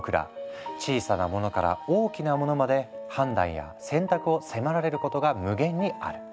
小さなものから大きなものまで判断や選択を迫られることが無限にある。